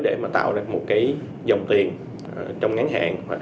để tạo ra một dòng tiền trong ngắn hạn